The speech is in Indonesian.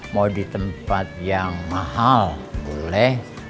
mau di tempat yang mahal boleh